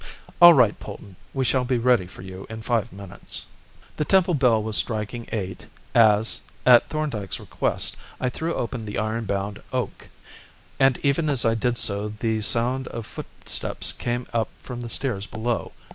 All right, Polton; we shall be ready for you in five minutes." The Temple bell was striking eight as, at Thorndyke's request, I threw open the iron bound "oak"; and even as I did so the sound of footsteps came up from the stairs below.